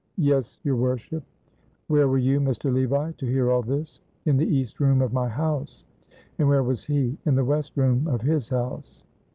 "Yes, your worship." "Where were you, Mr. Levi, to hear all this?" "In the east room of my house." "And where was he?" "In the west room of his house."